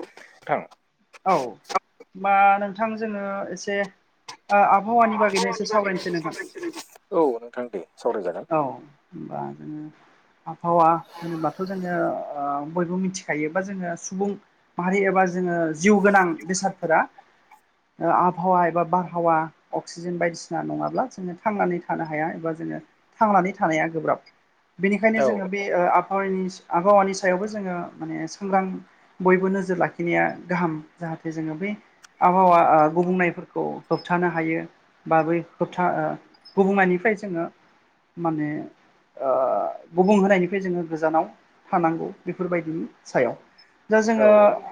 नोंथां। औ होमबा नोंथां जोङो एसे ओ आबहावानि बागैनो एसे सावरायनोसै नोंथां। औ नोंथां दे सावरायजागोन। औ होमबा जोङो आबहावा होनोबाथ' जोङो ओ बयबो मिथिखायो बा जोङो सुबुं माहारि एबा जोङो जिउ गोनां बेसादफोरा आबहावा एबा बारहावा अक्सिजेन बायदिसिना नङाब्ला जोङो थांनानै थानो हाया एबा जोङो थांनानै थानाया गोब्राब बेनिखायनो औ जोङो बे आबहावानि आबहावानि सायावबो जोङो माने सांग्रां बयबो नोजोर लाखिनाया गाहाम जाहाथे जोङो बै आबहावा गुबुंनायफोरखौ होबथानो हायो बाबै होबथा गुबुंनायनिफ्राय जोङो माने ओ गुबुं होनायनिफ्राय जोङो गोजानाव थानांगौ बेफोरबायदिनि सायाव दा औ जोङो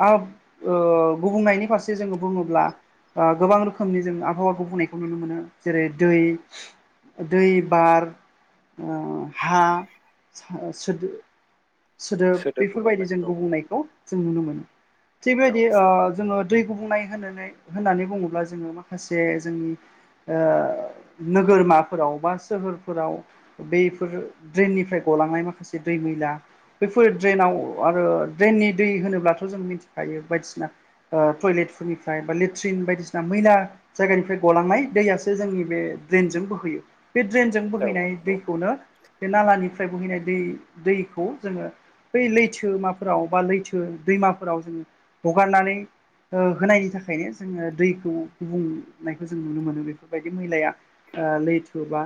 ओ गुबुंनायनि फारसे जोङो बुङोब्ला गोबां रोखोमनि जों आबहावाखौ गुबुंनायखौ नुनो मोनो जेरै दै दै बार [inaudible] सोदोब बेफोरबायदि गुबुंनाय जों औ गुबुंनायखौ जों नुनो मोनो थिग औ बेबायदि ओ जोङो दै गुबुंनाय होननानै बुङोब्ला जोङो माखासे जोंनि ओ नोगोरमाफोराव बा सोहोरफोराव बैफोर ड्रेननिफ्राय गलांनाय माखासे दै मैला बैफोर ड्रेनाव आरो ड्रेननि दै होनोब्लाथ' जों मिथिखायो बायदिसिना टयलेटफोरनिफ्राय बा लेट्रिन बायदिसिना मैला जायगानिफ्राय गलांनाय दैयासो जोंनि बे ड्रेनजों बोहैयो बे ड्रेनजों औ बोहैनाय नंगौ दैखौनो बे नालानिफ्राय बोहैनाय दै दै खौ जोङो बै लैथोमाफोराव बा लैथो दैमाफोराव जोङो हगारनानै होनायनि थाखायनो जोङो दैखौ गुबुंनायखौ जों नुनो मोनो बेफोरबायदि मैलाया ओ लैथो बा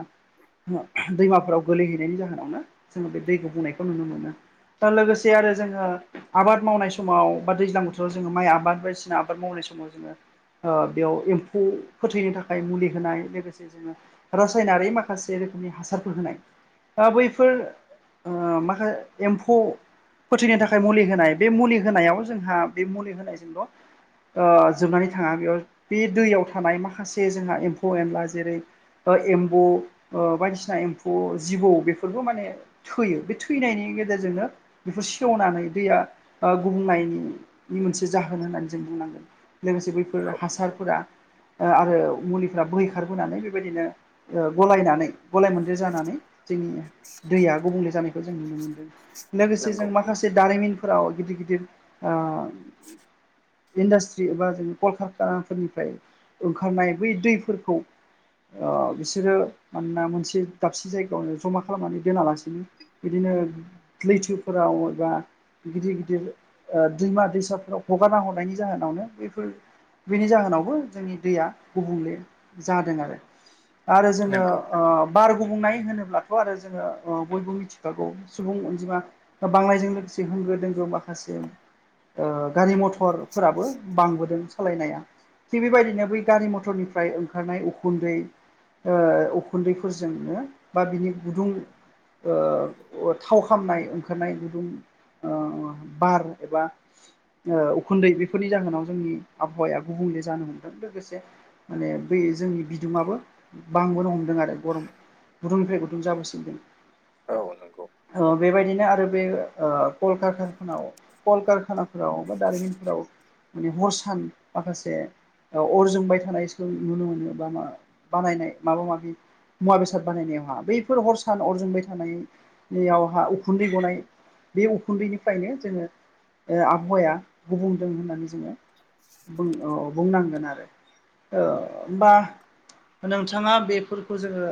दैमाफोराव गोलैहैनायनि जाहोनावनो जोङो बे दैखौ गुबुंनायखौ खौ नुनो मोनो दा लोगोसे आरो जोङो आबाद मावनाय समाव बा दैज्लां बोथोराव जोङो माइ आबाद बायदिसिना आबाद मावनाय समाव जोङो ओ बेयाव एम्फौ फोथैनो थाखाय मुलि होनाय लोगोसे जोङो रासायनारि माखासे रोखोमनि हासारफोर होनाय दा बैफोर ओ माखासे एम्फौ फोथैनो थाखाय मुलि होनाय बे मुलि होनायाव जोंहा बे मुलि होनायजोंल' ओ जोबनानै थाङा बेयाव बे दैयाव थानाय माखासे जोंहा एम्फौ एनला जेरै एम्बु बायदिसिना एम्फौ जिबौ बेफोरबो माने थैयो बे थैनायनि गेजेरजोंनो बेफोर सेवनानै दैया गुबुंनायनि नि मोनसे जाहोन होननानै जों बुंनांगोन लोगोसे बैफोर हासारफोरा ओ आरो मुलिफ्रा बोहैखारबोनानै बेबायदिनो ओ गलायनानै गलाय मोनद्रे जानानै जोंनि दैया गुबुंले जानाय खो जों नुनो मोनदों लोगोसे नंगौ जों माखासे दारिमिनफोराव गिदिर गिदिर ओ इन्डास्ट्रि एबा जोंनि कलकारखानाफोरनिफ्राय ओंखारनाय बै दैफोरखौ बिसोरो मानोना मोनसे दाबसे जायगायावनो जमा खालामनानै दोनालासिनो बिदिनो लैथोफोराव एबा गिदिर गिदिर दैमा दैसाफोराव हगारना हरनायनि जाहोनावनो बैफोर बेनि जाहोनावबो जोंनि दैया गुबुंले जादों आरो। आरो जोङो नंगौ बार गुबुंनाय होनोब्लाथ' आरो जोङो बयबो मिथि सुबुं अनजिमा बांनायजों लोगोसे होंगो दोंगो माखासे ओ गारि मथरफोराबो बांबोदों सालायनाया थिग बेबायदिनो बै गारि मथरनिफ्राय ओंखारनाय उखुन्दै ओ उखुन्दैफोरजोंनो बा बिनि गुदुं थाव खालामामनाय ओंखारनाय गुदुं ओ बार एबा ओ उखुन्दै बेफोरनि जाहोनाव जोंनि आबहावाया गुबुंले जानो हमदों लोगोसे माने बि जोंनि बिदुंआो बांबोनो हमदों आरो गरम गुदुंनिफ्राय गुदुं जाबोसिनदों औ नंगौ ओ बेबायदिनो आरो बे ओ कल कालख- कलकारखानाफोराव बा दारिमिनफोराव माने हर सान माखासे अर जोंबाय थानायखौ नुनो मोनो बा मा बानायनाय माबा माबि मुवा बेसाद बानायनायावहा बैफोर हर सान अरजोंबाय थानाय बेयावहा उखुन्दै गनाय बे उखुन्दैनिफ्रायनो जोङो ओ आबहावाया गुबुंदों होननानै जोङो बुंन-बुंनांगोन आरो ओ ओमबा नोंथाङा बेफोरखौ जोङो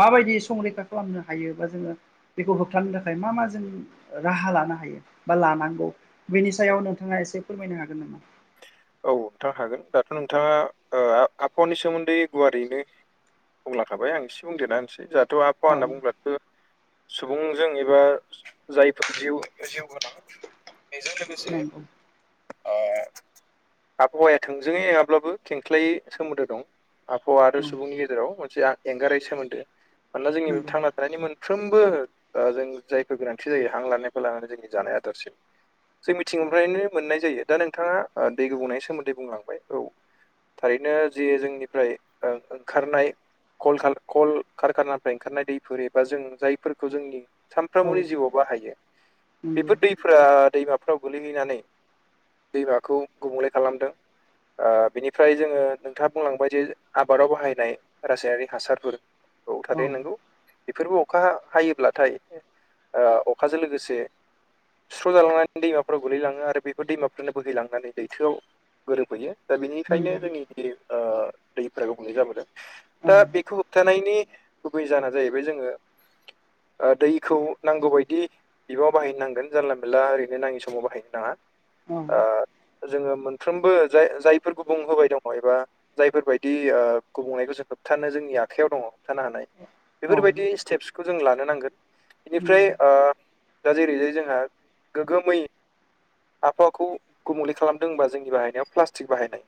माबायदि ओ संरैखा खालामनो हायो बा जोङो बेखौ होबथानो थाखाय मा मा जों राहा लानो हायो बा लानांगौ बेनि सायाव नोंथाङा एसे फोरमायनो हागोन नामा औ नोंथां हागोन दाथ' नोंथाङा ओ आबहावानि सोमोन्दै गुवारैयैनो बुंलांखाबाय आं एसे बुंदेरना होनसै जोंहाथ' आबहावा होनना औ बुंब्लाथ' सुबुंजों एबा जायफोर जिउ जिउ गोनां बेजों लोगोसे नंगौ ओ आबहावाया थोंजोङै नङाब्लाबो खेंख्लायै सोमोन्दो दं आबहावा आरो औ सुबुंनि गेजेराव जेराव मोनसे एंगारै सोमोन्दो मानोना जोंनि नंगौ थांना थानायनि मोन फ्रोमबो जों जायफोर गोनांथि जायो हां लानायखौ लानानै जोंनि जानाय आदारसिम जों मिथिंगानिफ्रायनो मोननाय जायो दा नोंथाङा दै गोबुंनिनायनि सोमोन्दै बुंलांबाय औ थारैनो जे जोंनिफ्राय ओंखारनाय कल खा कलकारखानानिफ्राय ओंखारनाय दैफोर एबा जों जायफोरखौ जोंनि सानफ्रामबोनि औ जिउआव बाहायो नंगौ बेफोर दै फ्रा दैमाफोराव गोल्लैहैनानै दैमाखौ गुबुंले खालामदों ओ बिनिफ्राय जोङो नोंथाङा बुंलांबाय जे आबादाव बाहायनाय रासायनारि हासारफोर औ थारै औ नोंगौ बेफोरबो अखा हायोब्लाथाय ओ अखाजों लोगोसे सुस्र' जालांनानै दैमाफोराव गोगलैलाङो आरो बेखौ दैमाफोरनो बोहैलांनानै लैथोआव गोरोबफैयो दा बेनिखायनो नंगौ जोंनि बे दैफ्रा गुबुंले जाबोदों औ दा बेखौ होबथानायनि गुबै जाहोना जाहैबाय जोङो ओ दैखौ नांगौबायायदि बिबाङाव बाहायनो नांगोन जानला मेनला ओरैनो नाङि समाव बाहायनो नाङा औ ओ जोङो मोनफ्रोमबो जाय जायफोरखौ बुंहोबाय दङ एबा जायफोरबायदि ओ गुबुंनायखौ जों होबथानो जोंनि आखायाव दङ जानो हानाय औ बेफोरबायदि स्टेप्सखौ जों लानो नांगोन बेनिफ्राय ओ दा जेरैजाय जोंहा गोग्गोमै आबहावाखौ गुबुंले खालामदों होनबा जोंनि बाहायनायाव प्लास्टिक बाहायनाय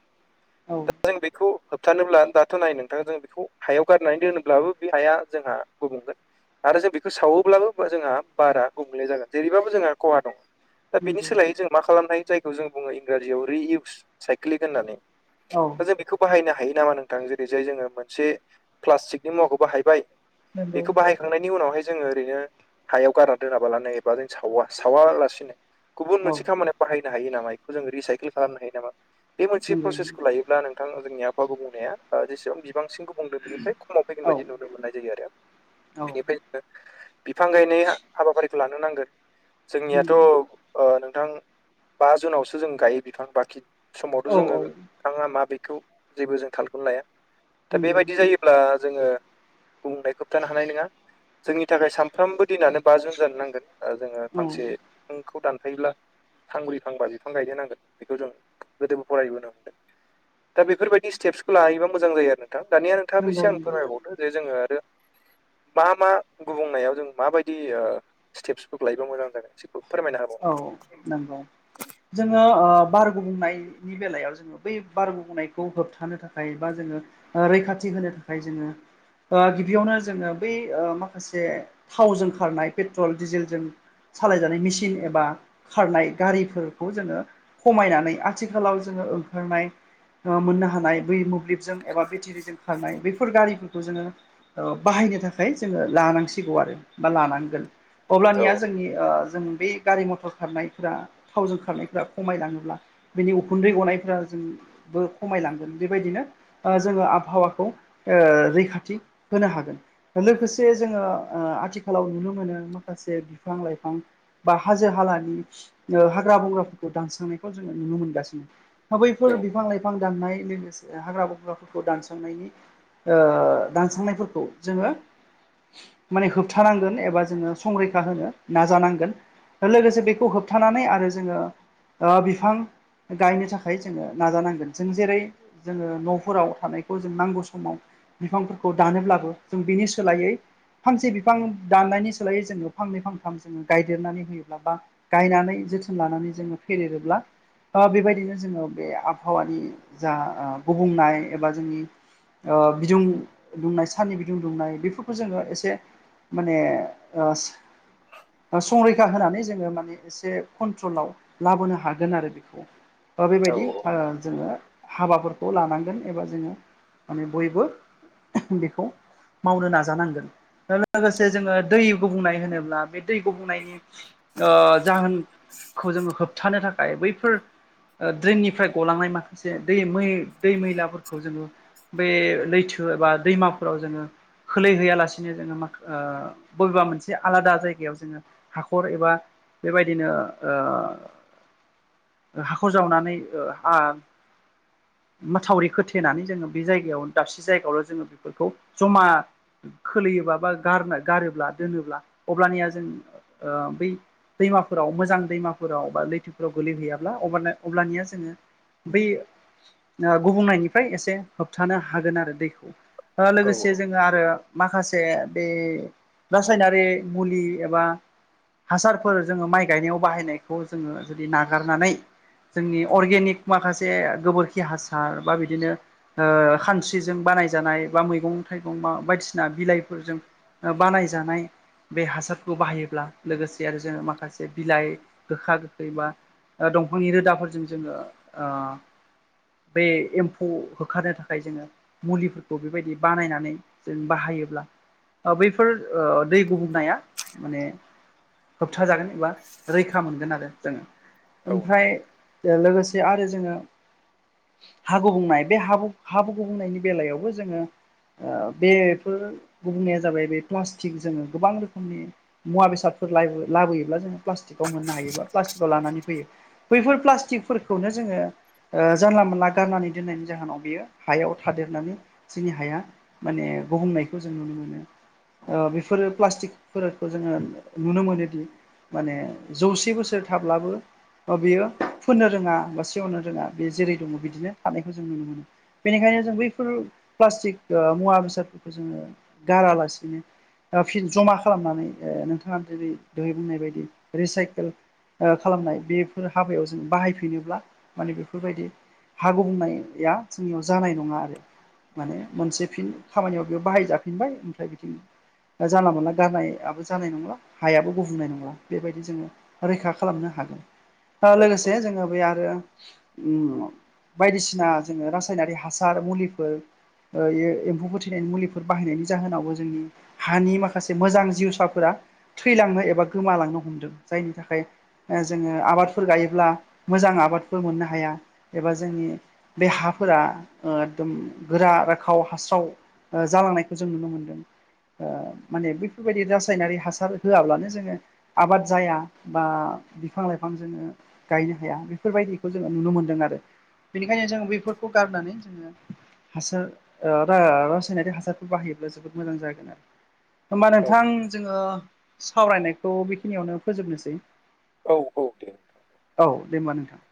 औ जों बेखौ होबथानोब्ला दाथ' नाय नोंथां जों बेखौ हायाव गारनानै दोनोब्लाबो बे हाया जोंहा गुबुंगोन आरो जों बेखौ सावोब्लाबो जोंहा बारा गुबुंले जागोन जेरैबाबो जोंहा खहा दङ दा बेनि नंगौ सोलायै जों मा खालामनाय जायखौ जों बुङो इंराजियाव रिइउस साइकलिक होननानै औ दा जों बेखौ बाहायनो हायो नामा नोंथां जेरै जाय जोङो मोनसे प्लास्टिकनि मुवाखौ बाहायबाय नंगौ औ नंगौ बेखौ बाहाय खांनायनि उनावहाय जोङो ओरैनो हायाव गारना दोनाबालानो एबा जों सावा सावालासिनो गुबुन औ नंगौ मोनसे खामानियाव बाहायनो हायो नामा बेखौ जोंङो रिसाइकेल खालामनो हायो नामा बे औ मोनसे प्रसेसखौ नंगौ लायो ना नोंथां जोंनि आबहावाखौ गुबुंनाया जेसेबां बांसिन गुबुंदों बेनिफ्राय खमाव फैगोन बायदि नुनो मोननाय जायो आरो बेनिफ्राय जोङो बिफां गायनाया हाबाफारिखौ लानो नांगोन औ जोंनियाथ' औ ओ नोंथां बा जुनावसो जों गायो बिफां बाखि समावथ' नंगौ औ जोङो बिफाङा मा बेखौ जेबो जों थालखौनो लाया दा नंगौ बेबायदि जायोब्ला जोङो गुबुंनायखौ होबथानो हानाय नोङा। जोंनि थाखाय सामफ्रोमबो दिनानो बा जुन जानो नांगोन जोङो फांसे बिफांखौ दानफायोब्ला फांब्रै फांबा बिफां गायदेर नांगोन बेखौ जों गोदोबो फरायबोनो मोनदों। दा बेफोरबायदि स्टेप्सखौ लायोबा मोजां जायो आरो नोंथां दानिया नोंथाङा नंगौ एसे आंनो फोरमायबावदो जे जोङो आरो मा मा गुबुंनायाव जों माबायदि स्टेपस फोरखौ लायोबा मोजां जागोन फोरमायना होबाव औ नोंथां नोंगौ जोङो ओ बार गुबुंनायनि बेलायाव जोङो बै बार गुबुंनायखौ होबथानो थाखाय बा जोङो रैखाथि होनो थाखाय जोङो ओ गिबियावनो जोङो बै ओ माखासे थावजों खारनाय पेट्रल डिजेलजों सालायजानाय मेसिन एबा खारनाय गारिफोरखौ जोङो खमायनानै आथिखालाव जोङो ओंखारनाय मोननो हानाय बै मोब्लिबजों एबा बेटेरिजों खारनाय बेैफोर गारिफोरखौ जोङो बाहायनो थाखाय जोङो लानांसिगौ आरो बा लानांगोन। औ अब्लानिया जोंनि ओ जों बे गारि मथर खारनायफोरा थावजों खारनायफोरा खमायलाङोब्ला बिनि उखुन्दै गनायफ्रा जोंबो खमायलांगोन बेबायदिनो ओ जोङो आबहावाखौ ओ रैखाथि होनो हागोन। लोगोसे जोङो आथिखालाव नुनो मोनो माखासे बिफां लाइफां बा हाजो हालानि ओ हाग्रा बंग्राफोरखौ दानस्रांनायखौ जोङो नुनो मोनगासिनो। हा बैफोर औ बिफां लाइफां दाननाय लोगोसे हाग्रा बंग्राफोरखौ दानस्रांनायनि ओ दानस्रांनायफोरखौ जोङो माने होबथानांगोन एबा जोङो संरैखा होनो नाजानांगोन। लोगोसे बेखौ होबथानानै आरो जोङो ओ बिफां गायनो थाखाय जोङो नाजानांगोन जों जेरै जोङो न'फोराव थानायखौ जों नांगौ समाव बिफांफोरखौ दानोब्लाबो जों बिनि सोलायै फांसे बिफां दाननायनि सोलायै जोङो फांनै फांथाम जोङो गायदेरनानै होयोब्ला बा गायनानै जोथोन लानानै जोङो फेदेरोब्ला बेबायदिनो जोङो बे आबहावानि जा गुबुंनाय एबा जोंनि ओ बिदुं दुंनाय साननि बिदुं दुंनाय बेफोरखौ जोङो एसे माने संरै खा होनानै जोङो माने एसे कन्ट्रलाव लाबोनो हागोन आरो बेखौ। बेबायदि ओ जोङो हाबाफोरखौ लानांगोन एबा जोङो माने बयबो बेखौ मावनो नाजानांगोन लोगोसे जोङो दै गुबुंनाय होनोब्ला बे दै गुबुंनायनि ओ जाहोनखौ जोङो होबथानो थाखाय बैफोर ओ ड्रेननिफ्राय गलांनाय माखासे दै मै दै मैलाफोरखौ जोङो बे लैथो एबा दैमाफोराव जोङो खोलैहैयालासिनो जोङो माख ओ बबेबा मोनसे आलादा जायगायाव जोङो हाखर एबा बेबायदिनो ओ हाखर जावनानै ओ माथावरि खोथेनानै जोङो बे जायगायाव दाबसे जायगायावल' जोङो बेफोरखौ जमा खोलैयोबा बा गारनो गारोब्ला दोनोब्ला अब्लानिया ओ जों बै दैमाफोराव मोजां दैमाफोराव बा लैथोफोराव गोलैहैयाब्ला अब्लानिया जोङो बै ओ गुबुंनायनिफ्राय एसे होबथानो हागोन आरो दैखौ ओ औ लोगोसे जोङो आरो माखासे बे रासायनारि मुलि एबा हासारफोर जोङो माइ गायनायाव बाहायनायखौ जोङो जुदि नागारनानै जोंनि अर्गेनिक माखासे गोबोरखि हासार बा बिदिनो ओ खानस्रिजों बानायजानाय बा मैगं-थाइगं बा बायदिसिना बिलाइफोरजों ओ बानायजानाय बे हासारखौ बाहायोब्ला लोगोसे आरो जोङो माखासे बिलाइ गोखा-गोखै बा ओ दंफांनि रोदाफोरजों जोङो ओ बे एम्फौ होखारनो थाखाय जोङो मुलिफोरखौ बेबायदि बानायनानै जों बाहायोब्ला ओ बैफोर ओ दै गुबुंनाया माने होबथाजागोन एबा रैखा मोनगोन आरो जोङो। औ ओमफ्राय नंगौ ओ लोगोसे आरो जोङो हा गुबनाय बे हा-हाब-गुबुंनायनि बेलायावबो जोङो ओ बेफोर गुबुंनाया जाबाय बे प्लास्टिक जोङो गोबां रोखोमनि मुवा-बेसादफोर लायो-लाबोयोब्ला जोङो प्लास्टिकआव मोननो हायोबा प्लास्टिकआव लानानै फैयो बैफोर प्लास्टिकफोरखौनो जोङो ओ जानला-मोनानला गारनानै दोननायनि जाहोनाव बियो हायाव थादेरनानै जोंनि हाया माने बहमनायखौ जों नुनो मोनो। ओ बेफोरो प्लास्टिकफोरखौ जोङो नुनो मोनोदि माने जौसे बोसोर थाब्लाबो ओ बेयो फोननो रोङा बा सेवनो रोङा। बे जेरै दङ बिदिनो थानायखौ जों नुनो मोनो। बेनिखायनो जों बैफोर प्लास्टिक ओ मुवा बेसादफोरखौ जोङो गारालासिनो ओ फिन जमा खालामनानै ओ नोंथाङा जेरै दहाय बुंनाय बायदि रिसाइखोल ओ खालामनाय बेफोर हाबायाव जों बाहायफिनोब्ला माने बेफोरबायदि हा गुबुंनाया जोंनियाव जानाय नङा आरो। माने मोनसे फिन खामानियाव बेयाव बाहायजाफिनबाय ओमफ्राय बिथिं ओ जानला-मोनला गारनायाबो जानाय नंला हायाबो गुबुंनाय नंला। बेबायदि जोङो रैखा खालामनो हागोन। ओ औ लोगोसे जोङो बे आरो उम बायदिसिना जोङो रासायनारि हासार, मुलिफोर ओ ए-एम्फौफोर थैनायनि मुलिफोर बाहायनायनि जाहोनावबो जोंनि हानि माखासे मोजां जिउसाफोरा थैलांनो एबा गोमालांनो हमदों। जायनि थाखाय ओ जोङो आबादफोर गायोब्ला मोजां आबादफोर मोननो हाया एबा जोंनि बे हाफोरा ओ एगदम गोरा राखाव हास्राव ओ जालांनायखौ जों नुनो मोनदों, ओ माने बेफोरबायदि रासायनारि हासार होआब्लानो जोङो आबाद जाया बा बिफां-लाइफां जोङो गायनो हाया बेफोरबायदिखौ जोङो नुनो मोनदों आरो। बेनिखायनो जों बेफोरखौ गारनानै जोङो हासार ओ रा-रासायनारि हासारफोर बाहायोब्ला जोबोद मोजां जागोन आरो होमबा नोंथां जोङो सावरायनायखौ बेखिनियावनो फोजोबनोसै। औ औ दे औ दे होमबा नोंथां।